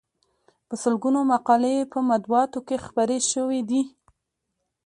په سلګونو مقالې یې په مطبوعاتو کې خپرې شوې دي.